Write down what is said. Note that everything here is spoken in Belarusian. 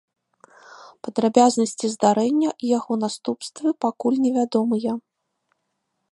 Падрабязнасці здарэння і яго наступствы пакуль невядомыя.